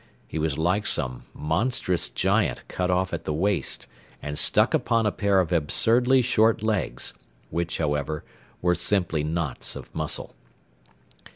He was like some monstrous giant cut off at the waist and stuck upon a pair of absurdly short legs, which, however, were simply knots of muscle.